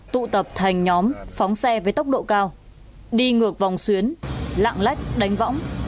tụ tập thành nhóm phóng xe với tốc độ cao đi ngược vòng xuyến lạng lách đánh võng